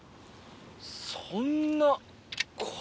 そんな。